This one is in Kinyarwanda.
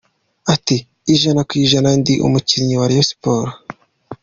Ati “Ijana ku ijana ndi umukinnyi wa Rayon Sports.